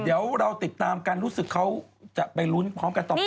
เดี๋ยวเราติดตามการรู้สึกเขาจะไปรุ้นพร้อมกันต่อ๘เดือนกว่า